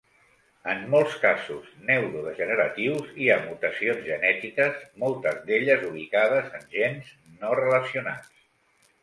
En molts casos neurodegeneratius hi ha mutacions genètiques, moltes d'elles ubicades en gens no relacionats.